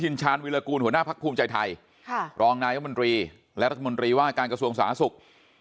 ชาญวิรากูลหัวหน้าพักภูมิใจไทยรองนายมนตรีและรัฐมนตรีว่าการกระทรวงสาธารณสุข